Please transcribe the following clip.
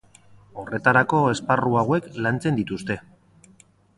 Horretarako esparru hauek lantzen dituzte.